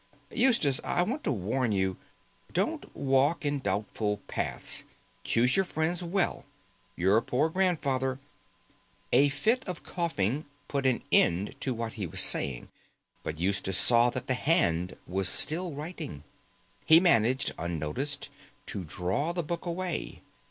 Eustace, I want to warn you. Don't walk in doubtful paths. Choose your friends well. Your poor grandfather——" A fit of coughing put an end to what he was saying, but Eustace saw that the hand was still writing. He managed unnoticed to draw the book away.